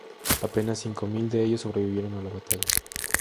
Apenas cinco mil de ellos sobrevivieron a la batalla.